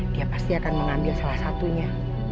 dia pasti akan mengambil salah satunya